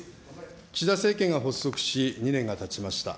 岸田政権が発足し２年がたちました。